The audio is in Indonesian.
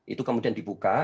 itu kemudian dibuka